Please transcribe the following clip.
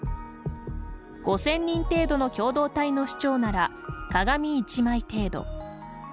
５０００人程度の共同体の首長なら、鏡１枚程度。